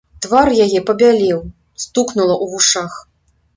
Твар яе пабялеў, стукнула ў вушах.